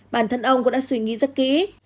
bản thân ông cũng đã suy nghĩ rất kỹ